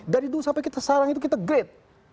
dari dulu sampai sekarang itu kita great